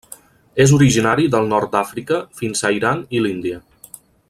És originari del nord d'Àfrica fins a Iran i l'Índia.